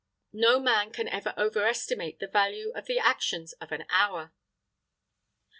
No man can ever overestimate the value of the actions of an hour.